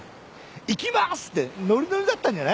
「行きます！」ってノリノリだったじゃない？